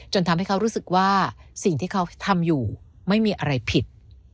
ทำให้เขารู้สึกว่าสิ่งที่เขาทำอยู่ไม่มีอะไรผิด